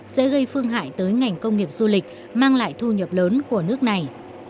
sẽ gây phương hại tới ngành công nghiệp du lịch mang lại thu nhập lớn của nước này